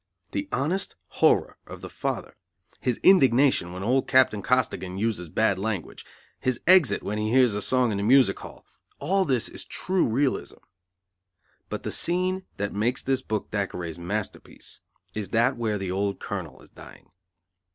The honest horror of the father, his indignation when old Captain Costigan uses bad language, his exit when he hears a song in the Music Hall all this is true realism. But the scene that makes this book Thackeray's masterpiece is that where the old Colonel is dying.